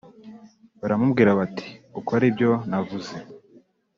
Baramubwira bati ukore ibyonavuze